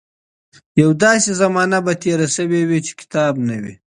يوه داسې زمانه به تېره شوې وي چې کتاب نه و.